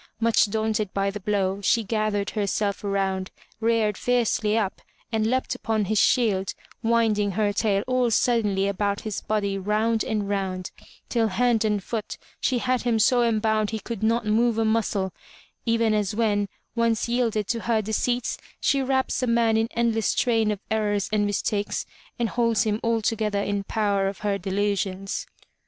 Much daunted by the blow, she gathered herself around, reared fiercely up and leapt upon his shield, winding her tail all suddenly about his body round and round, till hand and toot she had him so em bound he could not move a muscle, even as when, once yielded to her deceits, she wraps a man in endless train of errors and mis takes and holds him altogether in power of her delusions.